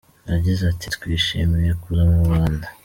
Yagize ati “Twishimiye kuza mu Rwanda.